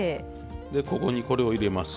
ここにこれを入れます。